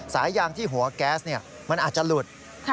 สายยางที่หัวก๊าสเนี่ยมันอาจจะหลุด